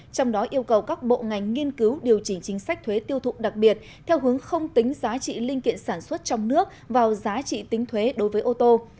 trong đó yêu cầu các bộ ngành nghiên cứu điều chỉnh chính sách thuế tiêu thụ đặc biệt theo hướng không tính giá trị linh kiện sản xuất trong nước vào giá trị tính thuế đối với ô tô